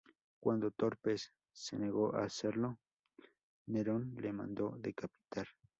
Cuando Torpes se negó a hacerlo, Nerón le mandó decapitar.